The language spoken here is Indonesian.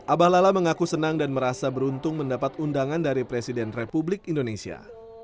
abah lala mengaku senang dan merasa beruntung mendapat undangan dari presiden republik indonesia